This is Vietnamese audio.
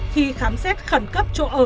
khi khám xét khẩn cấp chỗ ở